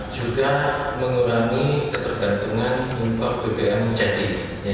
juga mengurangi ketergantungan impor bbm jadi